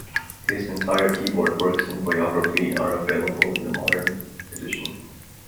His entire keyboard works and a biography are available in a modern edition.